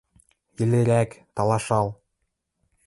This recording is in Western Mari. Йӹлерӓк, талашал...